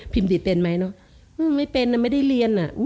ดีเป็นไหมเนอะไม่เป็นนะไม่ได้เรียน